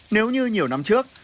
nếu như nhiều năm trước